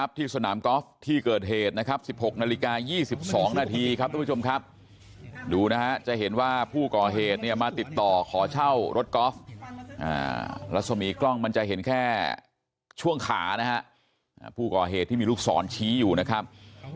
ผมไม่ได้พบว่ามันอยู่ไกลแค่นี้ไม่ใช่คนนี้คนเดียวนะคนอื่นเขาแล้ว